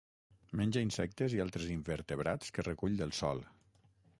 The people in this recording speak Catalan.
Menja insectes i altres invertebrats que recull del sòl.